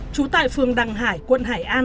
chú tại phường đăng hải quận hải an